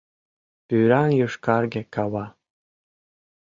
Вӱран-йошкарге кава.